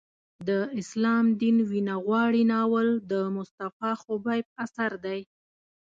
د اسلام دین وینه غواړي ناول د مصطفی خبیب اثر دی.